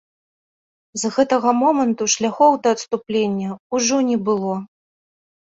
З гэтага моманту шляхоў да адступлення ўжо не было.